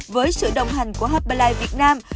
với sự đồng hành của hubberline việt nam